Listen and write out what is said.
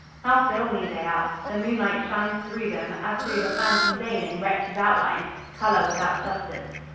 How filmy they are! the moonlight shines through them, as through the phantom Dane in Retzch's outlines colour without substance.